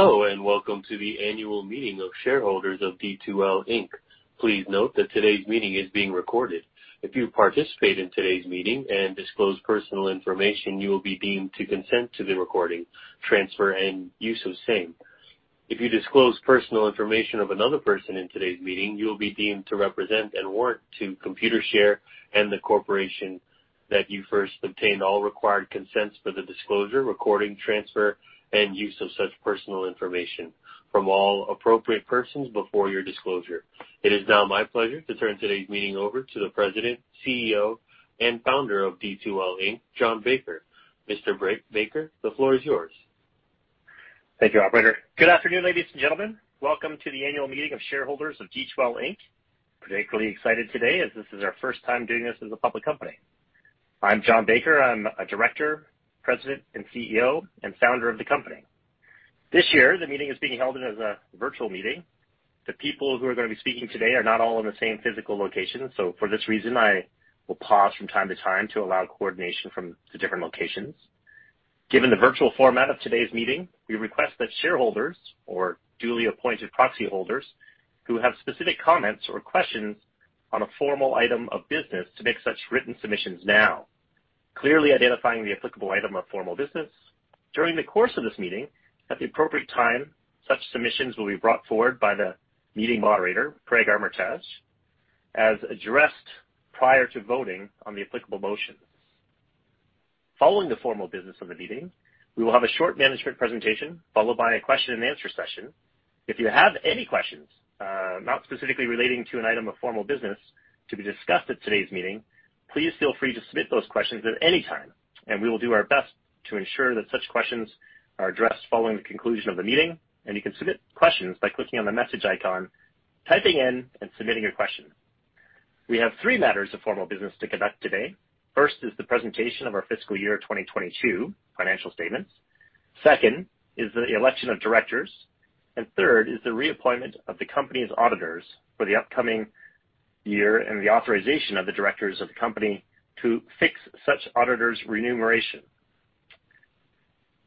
Hello, and welcome to the annual meeting of shareholders of D2L Inc. Please note that today's meeting is being recorded. If you participate in today's meeting and disclose personal information, you will be deemed to consent to the recording, transfer, and use of same. If you disclose personal information of another person in today's meeting, you will be deemed to represent and warrant to Computershare and the corporation that you first obtained all required consents for the disclosure, recording, transfer, and use of such personal information from all appropriate persons before your disclosure. It is now my pleasure to turn today's meeting over to the President, CEO, and founder of D2L Inc., John Baker. Mr. Baker, the floor is yours. Thank you, operator. Good afternoon, ladies and gentlemen. Welcome to the annual meeting of shareholders of D2L Inc. Particularly excited today as this is our first time doing this as a public company. I'm John Baker. I'm a director, President, and CEO, and founder of the company. This year, the meeting is being held as a virtual meeting. The people who are gonna be speaking today are not all in the same physical location. For this reason, I will pause from time to time to allow coordination from the different locations. Given the virtual format of today's meeting, we request that shareholders or duly appointed proxy holders who have specific comments or questions on a formal item of business to make such written submissions now, clearly identifying the applicable item of formal business. During the course of this meeting, at the appropriate time, such submissions will be brought forward by the meeting moderator, Craig Armitage, as addressed prior to voting on the applicable motions. Following the formal business of the meeting, we will have a short management presentation, followed by a question and answer session. If you have any questions, not specifically relating to an item of formal business to be discussed at today's meeting, please feel free to submit those questions at any time, and we will do our best to ensure that such questions are addressed following the conclusion of the meeting. You can submit questions by clicking on the message icon, typing in, and submitting your question. We have three matters of formal business to conduct today. First is the presentation of our Fiscal Year 2022 financial statements. Second is the election of directors. Third is the reappointment of the company's auditors for the upcoming year and the authorization of the directors of the company to fix such auditors' remuneration.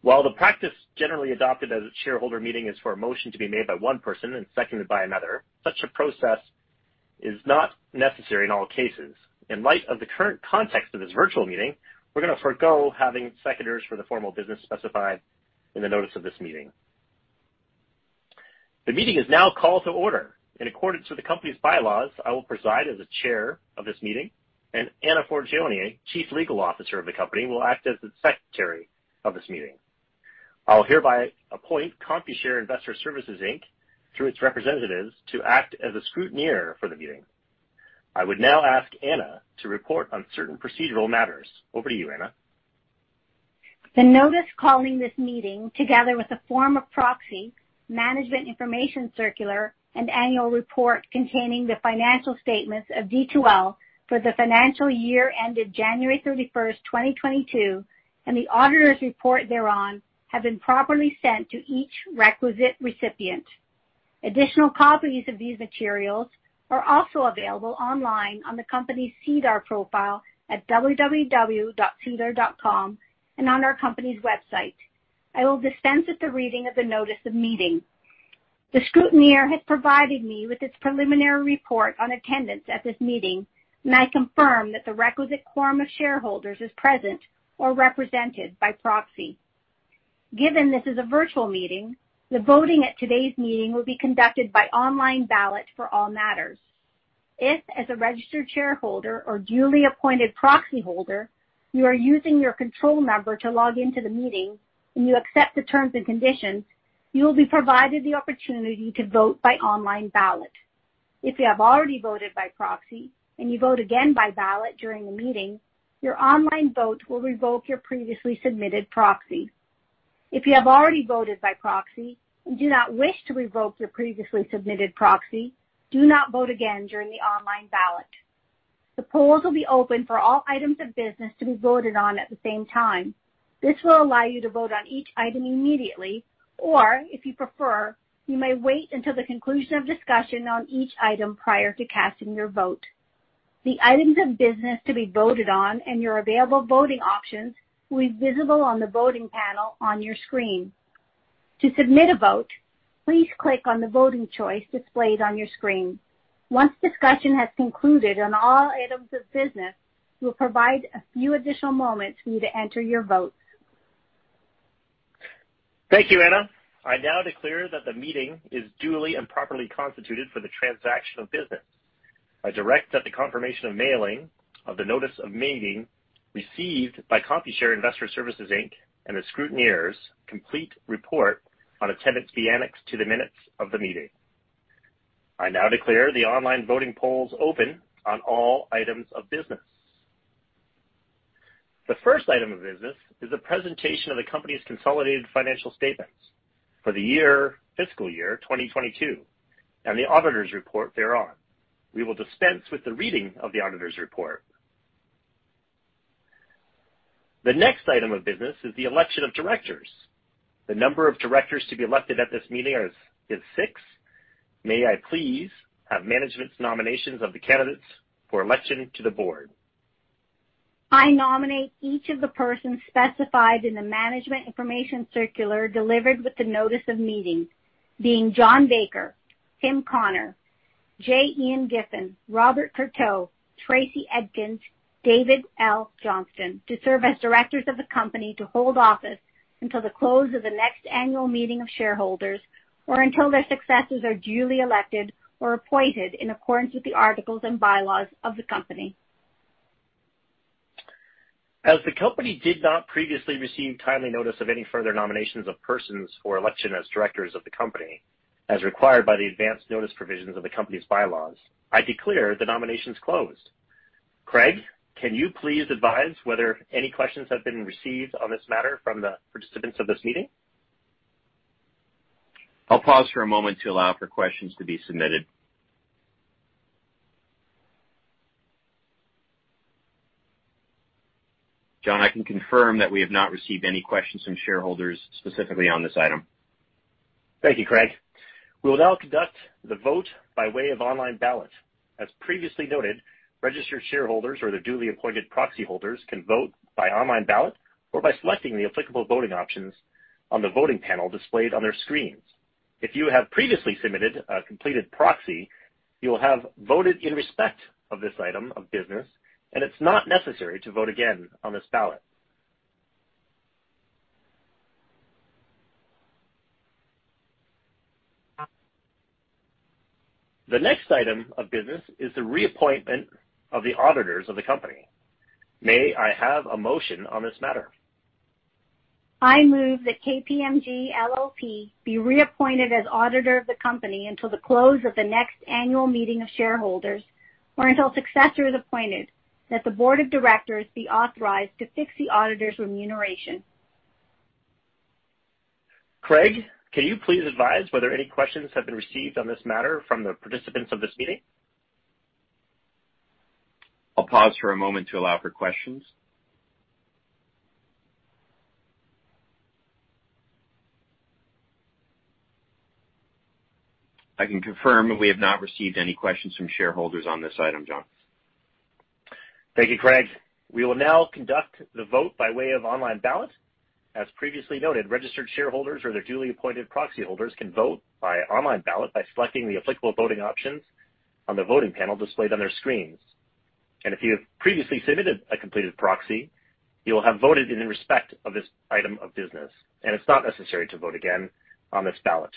While the practice generally adopted at a shareholder meeting is for a motion to be made by one person and seconded by another, such a process is not necessary in all cases. In light of the current context of this virtual meeting, we're gonna forgo having seconders for the formal business specified in the notice of this meeting. The meeting is now called to order. In accordance with the company's bylaws, I will preside as the chair of this meeting, and Anna Forgione, Chief Legal Officer of the company, will act as the secretary of this meeting. I'll hereby appoint Computershare Investor Services Inc., through its representatives, to act as a scrutineer for the meeting. I would now ask Anna to report on certain procedural matters. Over to you, Anna. The notice calling this meeting, together with a form of proxy, management information circular, and annual report containing the financial statements of D2L for the financial year ended January 31, 2022, and the auditor's report thereon, have been properly sent to each requisite recipient. Additional copies of these materials are also available online on the company's SEDAR profile at www.sedar.com and on our company's website. I will dispense with the reading of the notice of meeting. The scrutineer has provided me with its preliminary report on attendance at this meeting, and I confirm that the requisite quorum of shareholders is present or represented by proxy. Given this is a virtual meeting, the voting at today's meeting will be conducted by online ballot for all matters. If, as a registered shareholder or duly appointed proxyholder, you are using your control number to log into the meeting and you accept the terms and conditions, you will be provided the opportunity to vote by online ballot. If you have already voted by proxy and you vote again by ballot during the meeting, your online vote will revoke your previously submitted proxy. If you have already voted by proxy and do not wish to revoke your previously submitted proxy, do not vote again during the online ballot. The polls will be open for all items of business to be voted on at the same time. This will allow you to vote on each item immediately, or if you prefer, you may wait until the conclusion of discussion on each item prior to casting your vote. The items of business to be voted on and your available voting options will be visible on the voting panel on your screen. To submit a vote, please click on the voting choice displayed on your screen. Once discussion has concluded on all items of business, we'll provide a few additional moments for you to enter your votes. Thank you, Anna. I now declare that the meeting is duly and properly constituted for the transaction of business. I direct that the confirmation of mailing of the notice of meeting received by Computershare Investor Services Inc., and the scrutineers' complete report on attendance be annexed to the minutes of the meeting. I now declare the online voting polls open on all items of business. The first item of business is a presentation of the company's consolidated financial statements for the year, Fiscal Year 2022, and the auditor's report thereon. We will dispense with the reading of the auditor's report. The next item of business is the election of directors. The number of directors to be elected at this meeting is 6. May I please have management's nominations of the candidates for election to the board? I nominate each of the persons specified in the management information circular delivered with the notice of meeting, being John Baker, Tim Connor, J. Ian Giffen, Robert Courteau, Tracy Edkins, David L. Johnston to serve as directors of the company to hold office until the close of the next annual meeting of shareholders, or until their successors are duly elected or appointed in accordance with the articles and bylaws of the company. As the company did not previously receive timely notice of any further nominations of persons for election as directors of the company, as required by the advanced notice provisions of the company's bylaws, I declare the nominations closed. Craig, can you please advise whether any questions have been received on this matter from the participants of this meeting? I'll pause for a moment to allow for questions to be submitted. John, I can confirm that we have not received any questions from shareholders specifically on this item. Thank you, Craig. We will now conduct the vote by way of online ballot. As previously noted, registered shareholders or their duly appointed proxy holders can vote by online ballot or by selecting the applicable voting options on the voting panel displayed on their screens. If you have previously submitted a completed proxy, you will have voted in respect of this item of business, and it's not necessary to vote again on this ballot. The next item of business is the reappointment of the auditors of the company. May I have a motion on this matter? I move that KPMG LLP be reappointed as auditor of the company until the close of the next annual meeting of shareholders, or until a successor is appointed, that the board of directors be authorized to fix the auditor's remuneration. Craig, can you please advise whether any questions have been received on this matter from the participants of this meeting? I'll pause for a moment to allow for questions. I can confirm that we have not received any questions from shareholders on this item, John. Thank you, Craig. We will now conduct the vote by way of online ballot. As previously noted, registered shareholders or their duly appointed proxy holders can vote by online ballot by selecting the applicable voting options on the voting panel displayed on their screens. If you have previously submitted a completed proxy, you will have voted in respect of this item of business, and it's not necessary to vote again on this ballot.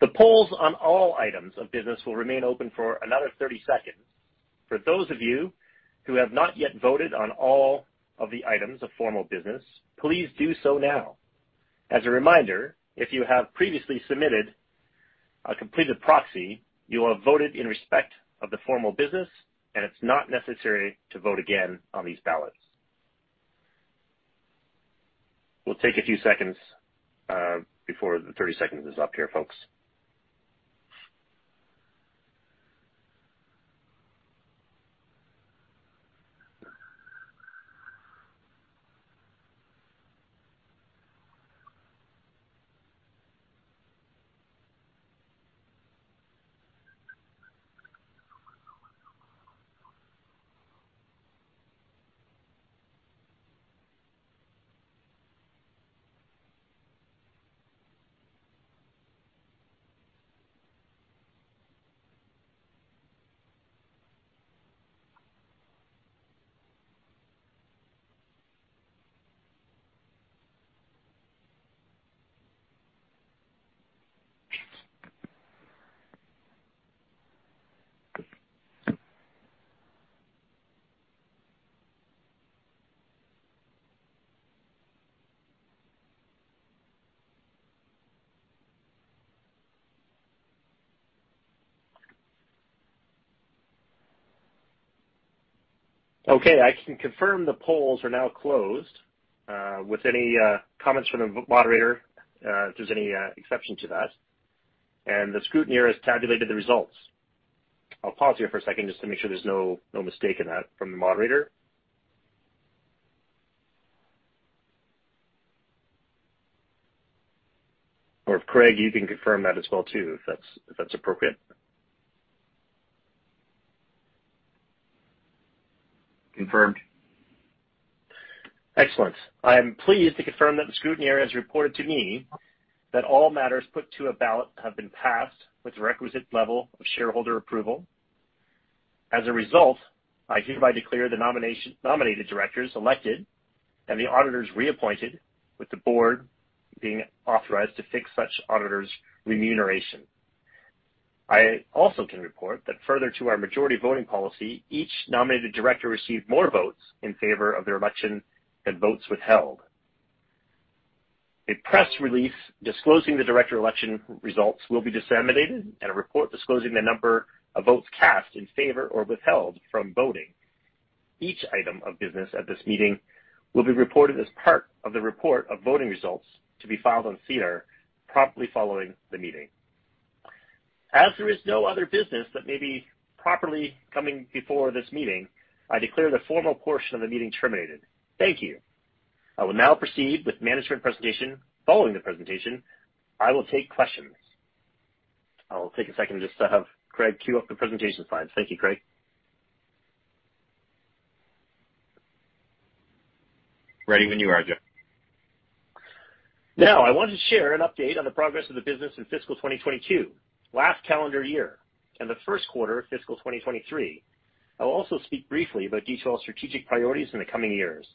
The polls on all items of business will remain open for another 30 seconds. For those of you who have not yet voted on all of the items of formal business, please do so now. As a reminder, if you have previously submitted a completed proxy, you will have voted in respect of the formal business, and it's not necessary to vote again on these ballots. We'll take a few seconds before the 30 seconds is up here, folks. Okay. I can confirm the polls are now closed with any comments from the moderator if there's any exception to that. The scrutineer has tabulated the results. I'll pause here for a second just to make sure there's no mistake in that from the moderator. Or Craig, you can confirm that as well too, if that's appropriate. Confirmed. Excellent. I am pleased to confirm that the scrutineer has reported to me that all matters put to a ballot have been passed with the requisite level of shareholder approval. As a result, I hereby declare the nominated directors elected and the auditors reappointed with the board being authorized to fix such auditors' remuneration. I also can report that further to our majority voting policy, each nominated director received more votes in favor of their election than votes withheld. A press release disclosing the director election results will be disseminated and a report disclosing the number of votes cast in favor or withheld from voting. Each item of business at this meeting will be reported as part of the report of voting results to be filed on SEDAR promptly following the meeting. As there is no other business that may be properly coming before this meeting, I declare the formal portion of the meeting terminated. Thank you. I will now proceed with management presentation. Following the presentation, I will take questions. I'll take a second just to have Craig queue up the presentation slides. Thank you, Craig. Ready when you are, John. Now, I want to share an update on the progress of the business in fiscal 2022, last calendar year, and the first quarter of fiscal 2023. I will also speak briefly about D2L's strategic priorities in the coming years.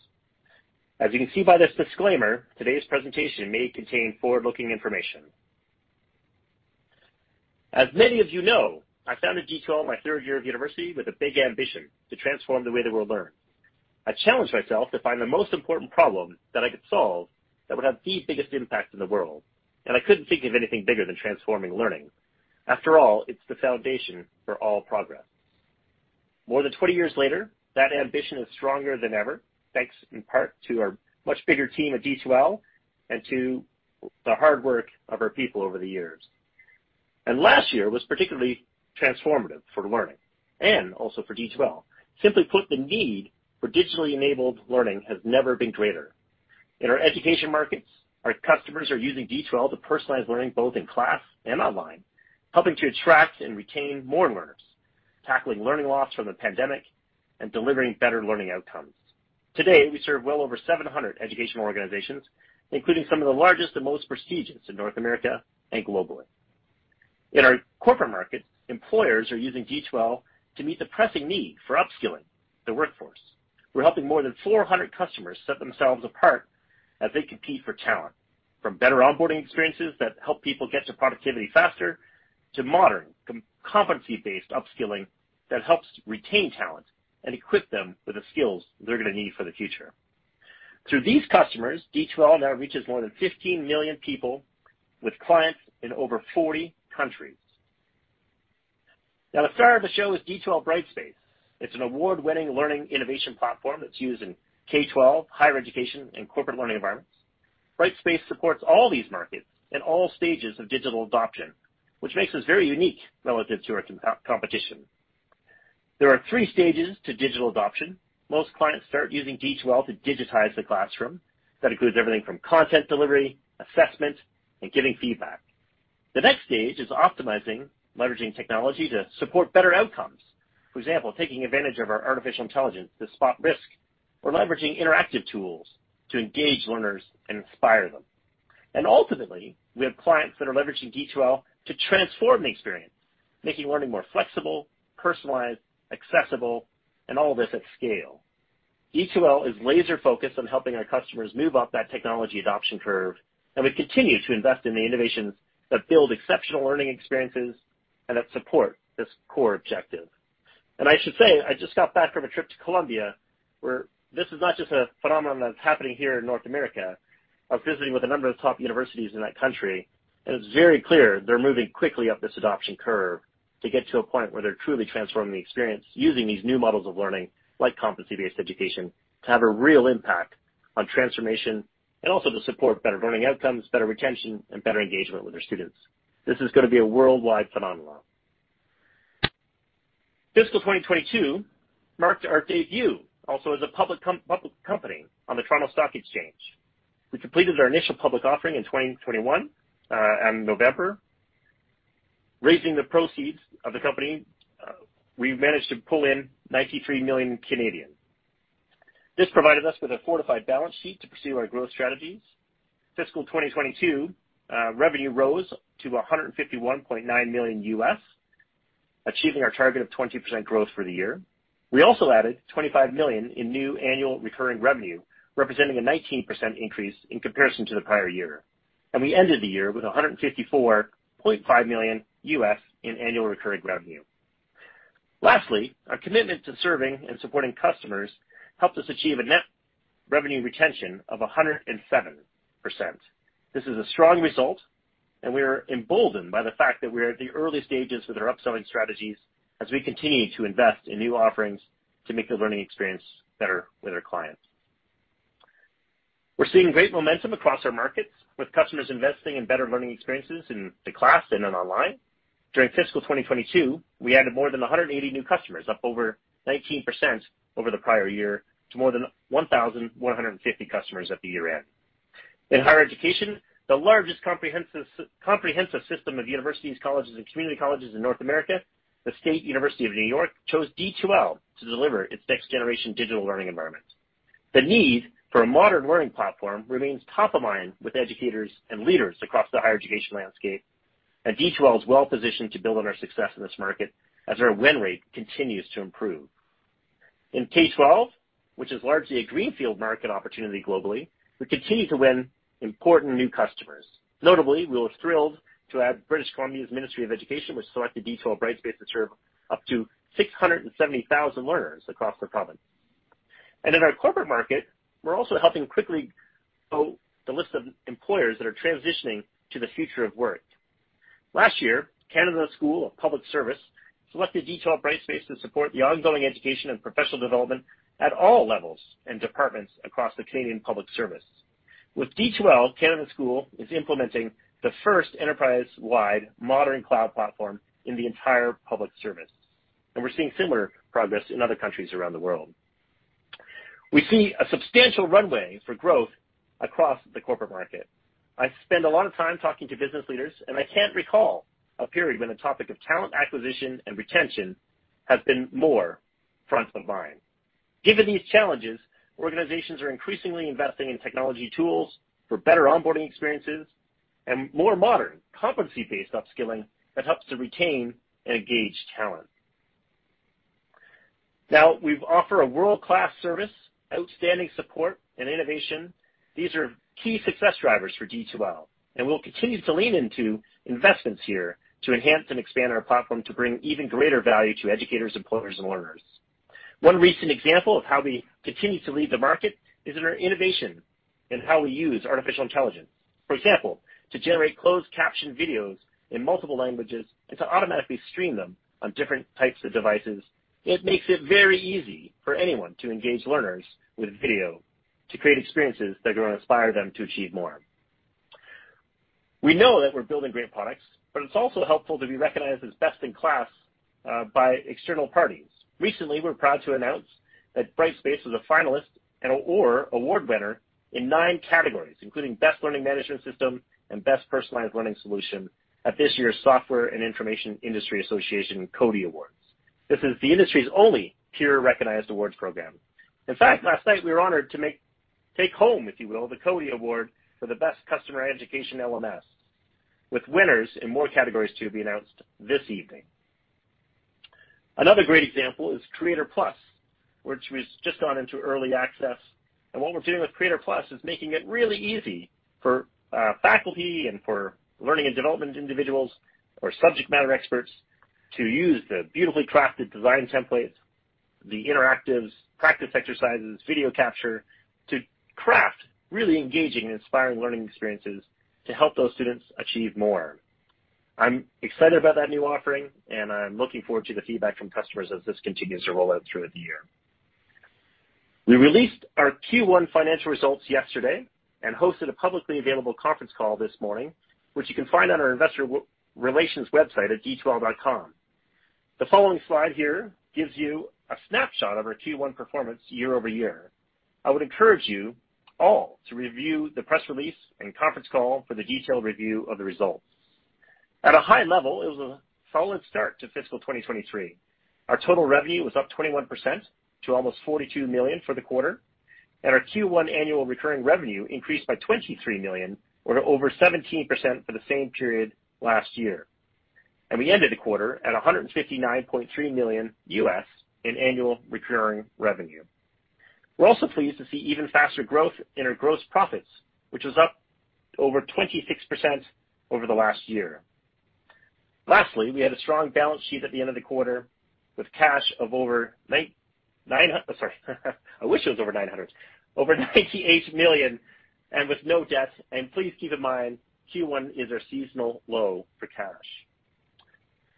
As you can see by this disclaimer, today's presentation may contain forward-looking information. As many of you know, I founded D2L in my third year of university with a big ambition to transform the way the world learned. I challenged myself to find the most important problem that I could solve that would have the biggest impact in the world, and I couldn't think of anything bigger than transforming learning. After all, it's the foundation for all progress. More than 20 years later, that ambition is stronger than ever, thanks in part to our much bigger team at D2L and to the hard work of our people over the years. Last year was particularly transformative for learning and also for D2L. Simply put, the need for digitally enabled learning has never been greater. In our education markets, our customers are using D2L to personalize learning both in class and online, helping to attract and retain more learners, tackling learning loss from the pandemic and delivering better learning outcomes. Today, we serve well over 700 educational organizations, including some of the largest and most prestigious in North America and globally. In our corporate markets, employers are using D2L to meet the pressing need for upskilling the workforce. We're helping more than 400 customers set themselves apart as they compete for talent, from better onboarding experiences that help people get to productivity faster, to modern competency-based upskilling that helps retain talent and equip them with the skills they're gonna need for the future. Through these customers, D2L now reaches more than 15 million people with clients in over 40 countries. Now, the star of the show is D2L Brightspace. It's an award-winning learning innovation platform that's used in K-12, higher education and corporate learning environments. Brightspace supports all these markets in all stages of digital adoption, which makes us very unique relative to our competition. There are three stages to digital adoption. Most clients start using D2L to digitize the classroom. That includes everything from content delivery, assessment, and giving feedback. The next stage is optimizing, leveraging technology to support better outcomes. For example, taking advantage of our artificial intelligence to spot risk or leveraging interactive tools to engage learners and inspire them. Ultimately, we have clients that are leveraging D2L to transform the experience, making learning more flexible, personalized, accessible, and all of this at scale. D2L is laser-focused on helping our customers move up that technology adoption curve, and we continue to invest in the innovations that build exceptional learning experiences and that support this core objective. I should say, I just got back from a trip to Colombia, where this is not just a phenomenon that's happening here in North America. I was visiting with a number of top universities in that country, and it's very clear they're moving quickly up this adoption curve to get to a point where they're truly transforming the experience using these new models of learning, like competency-based education, to have a real impact on transformation and also to support better learning outcomes, better retention, and better engagement with their students. This is gonna be a worldwide phenomenon. Fiscal 2022 marked our debut also as a public company on the Toronto Stock Exchange. We completed our initial public offering in 2021 on November. Raising the proceeds of the company, we managed to pull in 93 million. This provided us with a fortified balance sheet to pursue our growth strategies. Fiscal 2022, revenue rose to $151.9 million, achieving our target of 20% growth for the year. We also added $25 million in new annual recurring revenue, representing a 19% increase in comparison to the prior year. We ended the year with $154.5 million in annual recurring revenue. Lastly, our commitment to serving and supporting customers helped us achieve a net revenue retention of 107%. This is a strong result, and we are emboldened by the fact that we are at the early stages with our upselling strategies as we continue to invest in new offerings to make the learning experience better with our clients. We're seeing great momentum across our markets, with customers investing in better learning experiences in the class and in online. During fiscal 2022, we added more than 180 new customers, up over 19% over the prior year, to more than 1,150 customers at the year-end. In higher education, the largest comprehensive system of universities, colleges, and community colleges in North America, the State University of New York, chose D2L to deliver its next generation digital learning environment. The need for a modern learning platform remains top of mind with educators and leaders across the higher education landscape, and D2L is well-positioned to build on our success in this market as our win rate continues to improve. In K-12, which is largely a greenfield market opportunity globally, we continue to win important new customers. Notably, we were thrilled to add British Columbia's Ministry of Education, which selected D2L Brightspace to serve up to 670,000 learners across the province. In our corporate market, we're also helping quickly grow the list of employers that are transitioning to the future of work. Last year, Canada School of Public Service selected D2L Brightspace to support the ongoing education and professional development at all levels and departments across the Canadian public service. With D2L, Canada School is implementing the first enterprise-wide modern cloud platform in the entire public service, and we're seeing similar progress in other countries around the world. We see a substantial runway for growth across the corporate market. I spend a lot of time talking to business leaders, and I can't recall a period when the topic of talent acquisition and retention has been more front of mind. Given these challenges, organizations are increasingly investing in technology tools for better onboarding experiences and more modern competency-based upskilling that helps to retain and engage talent. Now, we offer a world-class service, outstanding support and innovation. These are key success drivers for D2L, and we'll continue to lean into investments here to enhance and expand our platform to bring even greater value to educators, employers, and learners. One recent example of how we continue to lead the market is in our innovation in how we use artificial intelligence. For example, to generate closed caption videos in multiple languages and to automatically stream them on different types of devices. It makes it very easy for anyone to engage learners with video to create experiences that are gonna inspire them to achieve more. We know that we're building great products, but it's also helpful to be recognized as best in class by external parties. Recently, we're proud to announce that Brightspace was a finalist and/or award winner in 9 categories, including Best Learning Management System and Best Personalized Learning Solution at this year's Software and Information Industry Association CODiE Awards. This is the industry's only peer-recognized awards program. In fact, last night we were honored to take home, if you will, the CODiE Award for the best customer education LMS, with winners in more categories to be announced this evening. Another great example is Creator+, which has just gone into early access. What we're doing with Creator+ is making it really easy for faculty and for learning and development individuals or subject matter experts to use the beautifully crafted design templates, the interactives practice exercises, video capture to craft really engaging and inspiring learning experiences to help those students achieve more. I'm excited about that new offering, and I'm looking forward to the feedback from customers as this continues to roll out throughout the year. We released our Q1 financial results yesterday and hosted a publicly available conference call this morning, which you can find on our investor relations website at d2l.com. The following slide here gives you a snapshot of our Q1 performance year over year. I would encourage you all to review the press release and conference call for the detailed review of the results. At a high level, it was a solid start to fiscal 2023. Our total revenue was up 21% to almost 42 million for the quarter, and our Q1 annual recurring revenue increased by $23 million, or over 17%, for the same period last year. We ended the quarter at $159.3 million in annual recurring revenue. We're also pleased to see even faster growth in our gross profits, which was up over 26% over the last year. Lastly, we had a strong balance sheet at the end of the quarter with cash of over 98 million and with no debt. Please keep in mind, Q1 is our seasonal low for cash.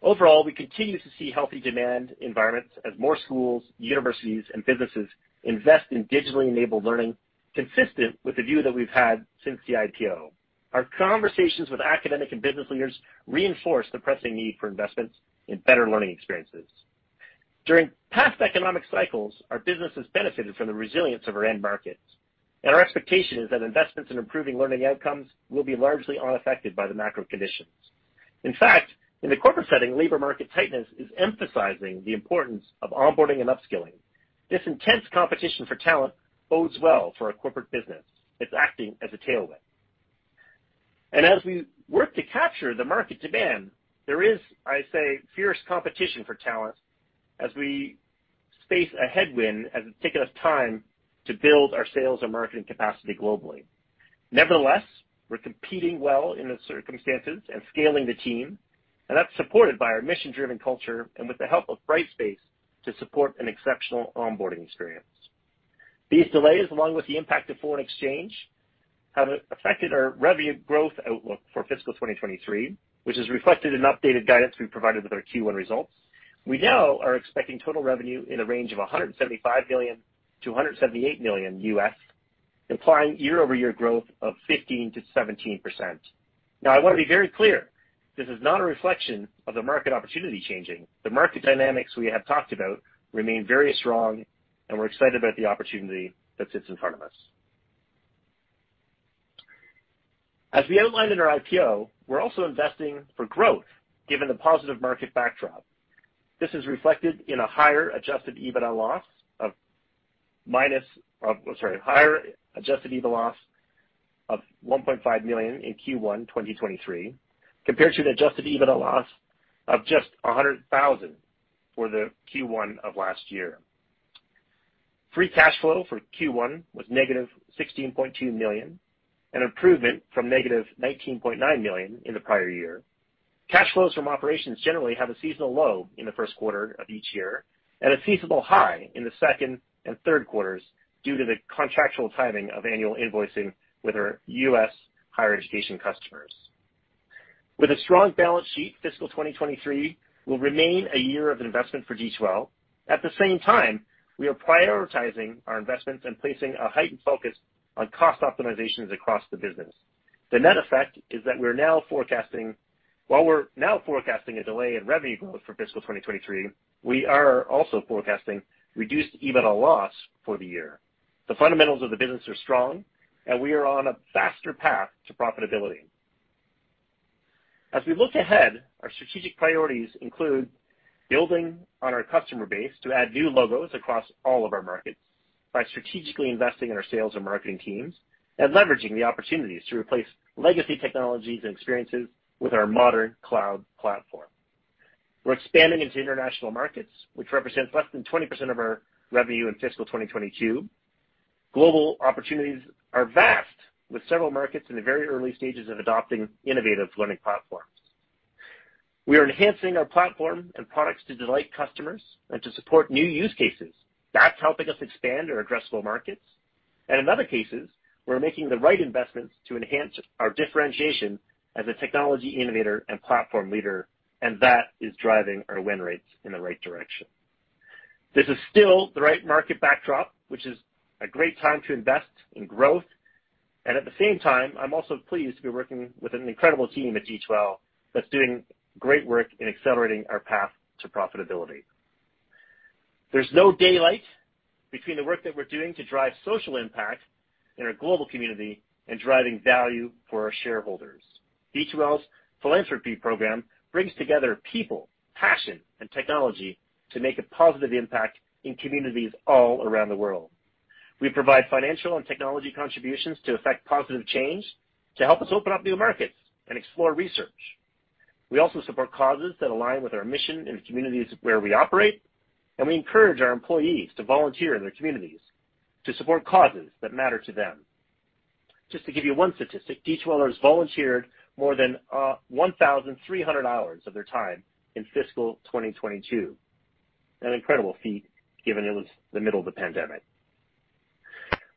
Overall, we continue to see healthy demand environments as more schools, universities, and businesses invest in digitally enabled learning consistent with the view that we've had since the IPO. Our conversations with academic and business leaders reinforce the pressing need for investments in better learning experiences. During past economic cycles, our business has benefited from the resilience of our end markets, and our expectation is that investments in improving learning outcomes will be largely unaffected by the macro conditions. In fact, in the corporate setting, labor market tightness is emphasizing the importance of onboarding and upskilling. This intense competition for talent bodes well for our corporate business. It's acting as a tailwind. As we work to capture the market demand, there is, I say, fierce competition for talent as we face a headwind, as it's taken us time to build our sales and marketing capacity globally. Nevertheless, we're competing well in the circumstances and scaling the team, and that's supported by our mission-driven culture and with the help of Brightspace to support an exceptional onboarding experience. These delays, along with the impact of foreign exchange, have affected our revenue growth outlook for fiscal 2023, which is reflected in updated guidance we provided with our Q1 results. We now are expecting total revenue in a range of $175 million-$178 million, implying year-over-year growth of 15%-17%. Now, I want to be very clear, this is not a reflection of the market opportunity changing. The market dynamics we have talked about remain very strong, and we're excited about the opportunity that sits in front of us. As we outlined in our IPO, we're also investing for growth given the positive market backdrop. This is reflected in a higher adjusted EBITDA loss of 1.5 million in Q1 2023, compared to the adjusted EBITDA loss of just 100 thousand for the Q1 of last year. Free Cash Flow for Q1 was negative 16.2 million, an improvement from negative 19.9 million in the prior year. Cash flows from operations generally have a seasonal low in the Q1 of each year, and a seasonal high in the Q2 and Q3 due to the contractual timing of annual invoicing with our U.S. higher education customers. With a strong balance sheet, fiscal 2023 will remain a year of investment for D2L. At the same time, we are prioritizing our investments and placing a heightened focus on cost optimizations across the business. The net effect is that while we're now forecasting a delay in revenue growth for fiscal 2023, we are also forecasting reduced EBITDA loss for the year. The fundamentals of the business are strong, and we are on a faster path to profitability. As we look ahead, our strategic priorities include building on our customer base to add new logos across all of our markets by strategically investing in our sales and marketing teams and leveraging the opportunities to replace legacy technologies and experiences with our modern cloud platform. We're expanding into international markets, which represents less than 20% of our revenue in fiscal 2022. Global opportunities are vast, with several markets in the very early stages of adopting innovative learning platforms. We are enhancing our platform and products to delight customers and to support new use cases. That's helping us expand our addressable markets. In other cases, we're making the right investments to enhance our differentiation as a technology innovator and platform leader, and that is driving our win rates in the right direction. This is still the right market backdrop, which is a great time to invest in growth. At the same time, I'm also pleased to be working with an incredible team at D2L that's doing great work in accelerating our path to profitability. There's no daylight between the work that we're doing to drive social impact in our global community and driving value for our shareholders. D2L's philanthropy program brings together people, passion, and technology to make a positive impact in communities all around the world. We provide financial and technology contributions to affect positive change to help us open up new markets and explore research. We also support causes that align with our mission in the communities where we operate, and we encourage our employees to volunteer in their communities to support causes that matter to them. Just to give you one statistic, D2L has volunteered more than 1,300 hours of their time in fiscal 2022. An incredible feat, given it was the middle of the pandemic.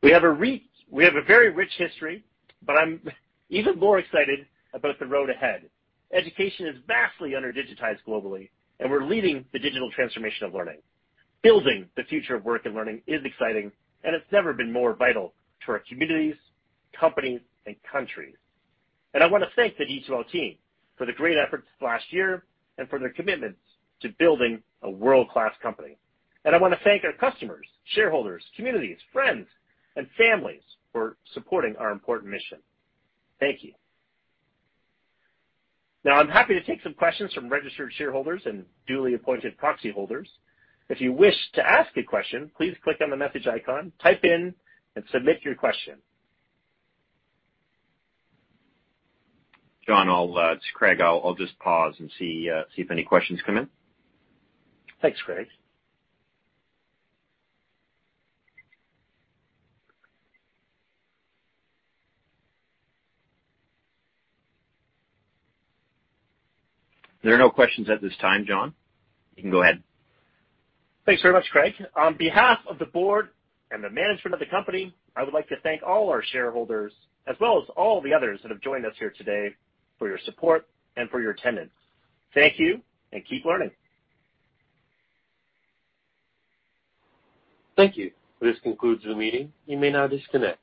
We have a very rich history, but I'm even more excited about the road ahead. Education is vastly under-digitized globally, and we're leading the digital transformation of learning. Building the future of work and learning is exciting, and it's never been more vital to our communities, companies, and countries. I wanna thank the D2L team for their great efforts last year and for their commitments to building a world-class company. I wanna thank our customers, shareholders, communities, friends, and families for supporting our important mission. Thank you. Now, I'm happy to take some questions from registered shareholders and duly appointed proxy holders. If you wish to ask a question, please click on the message icon, type in, and submit your question. John, I'll. It's Craig. I'll just pause and see if any questions come in. Thanks, Craig. There are no questions at this time, John. You can go ahead. Thanks very much, Craig. On behalf of the board and the management of the company, I would like to thank all our shareholders as well as all the others that have joined us here today for your support and for your attendance. Thank you, and keep learning. Thank you. This concludes the meeting. You may now disconnect.